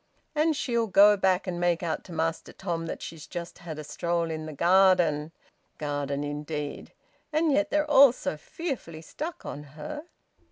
"And she'll go back and make out to Master Tom that she's just had a stroll in the garden! Garden, indeed! And yet they're all so fearfully stuck on her."